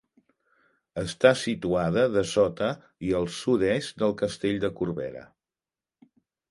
Està situada dessota i al sud-est del Castell de Corbera.